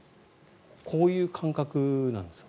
こういう感覚なんですか。